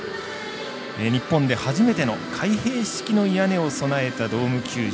日本で初めての開閉式の屋根を備えたドーム球場。